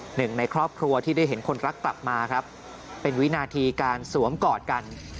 หนึ่งในครอบครัวที่ได้เห็นคนรักกลับมาครับเป็นวินาทีการสวมกอดกัน